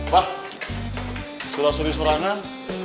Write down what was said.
pak suruh suruh sorangan